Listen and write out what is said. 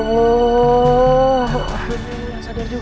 alhamdulillah sadar juga